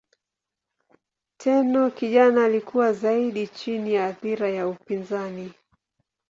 Tenno kijana alikuwa zaidi chini ya athira ya upinzani.